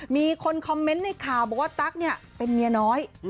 มีคนคอมเมนต์ในข่าวบอกว่าตั๊กเนี่ยเป็นเมียน้อย